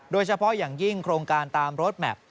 โดยเฉพาะอย่างยิ่งโครงการตามรถแมพ